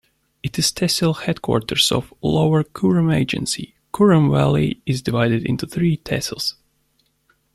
It is Tehsil headquarters of Lower Kurram Agency.Kurram Valley is divided into three tehsils.